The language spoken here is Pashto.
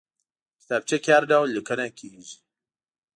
کتابچه کې هر ډول لیکنه کېږي